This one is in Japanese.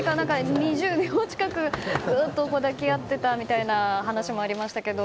２０秒近く、ギュッと抱き合っていたみたいな話もありましたけど。